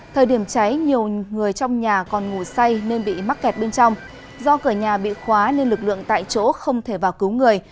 thời điểm cháy nhiều người trong nhà còn ngủ say nên bị mắc kẹt bên trong do cửa nhà bị khóa nên lực lượng tại chỗ không thể vào cứu người